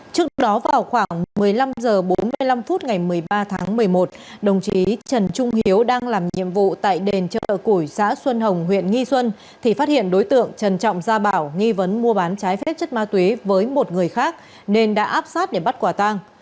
trước đó vào khoảng một mươi năm h bốn mươi năm phút ngày một mươi ba tháng một mươi một đồng chí trần trung hiếu đang làm nhiệm vụ tại đền chợ củi xã xuân hồng huyện nghi xuân thì phát hiện đối tượng trần trọng gia bảo nghi vấn mua bán trái phép chất ma túy với một người khác nên đã áp sát để bắt quả tang